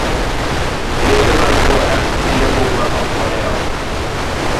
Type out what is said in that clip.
Derepe mag boda riembo ma ok odewo.